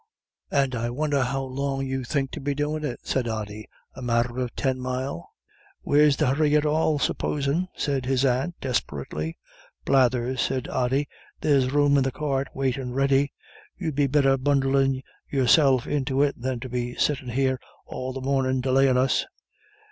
"And I won'er how long you think to be doin' it," said Ody "a matter of ten mile?" "Where's the hurry at all, supposin'?" said his aunt, desperately. "Blathers!" said Ody, "there's room in the cart waitin' ready. You'd be better bundlin' yourself into it than to be sittin' here all the mornin' delayin' us."